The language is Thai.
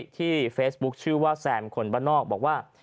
ที่เฟซบุ๊คชื่อว่าแซมคนบ้านนอกบอกว่า